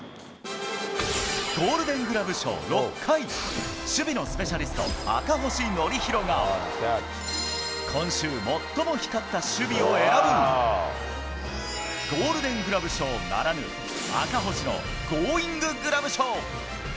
ゴールデングラブ賞６回、守備のスペシャリスト、赤星憲広が、今週、最も光った守備を選ぶ、ゴールデングラブ賞ならぬ、赤星のゴーインググラブ賞。